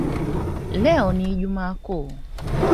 Leo ni ijumaa kuu